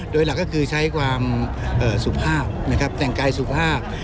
โดยหลักก็คือใช้ความสุภาพนะครับแต่งกายสุภาพ